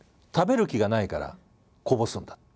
「食べる気がないからこぼすんだ」